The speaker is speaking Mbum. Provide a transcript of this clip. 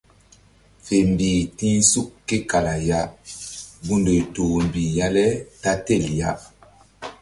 Fe mbih ti̧h suk ke kala ya gundoy toh mbih ya le ta tel ya.